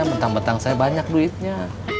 bentang bentang saya banyak duitnya